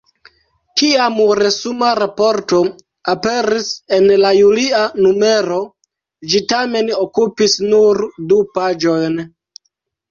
Kiam resuma raporto aperis en la julia numero, ĝi tamen okupis nur du paĝojn.